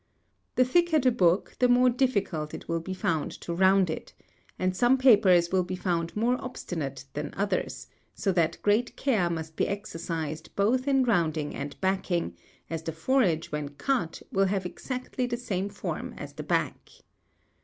The thicker the book the more difficult it will be found to round it; and some papers will be found more obstinate than others, so that great care must be exercised both in rounding and backing, as the foredge when cut will have exactly the same form as the back.